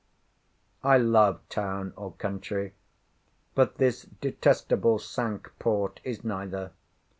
I love town, or country; but this detestable Cinque Port is neither.